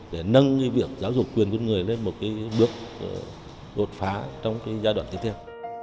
để nâng cái việc giáo dục quyền quân người lên một cái bước đột phá trong cái giai đoạn tiếp theo